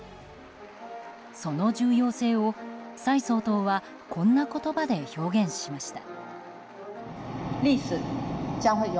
その重要性を蔡総統はこんな言葉で表現しました。